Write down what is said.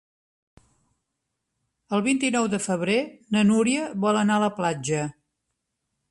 El vint-i-nou de febrer na Núria vol anar a la platja.